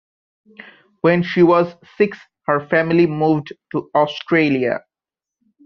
When she was six, her family moved to Australia.